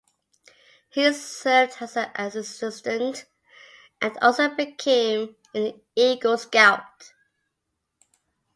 He served as her assistant and also became an Eagle Scout.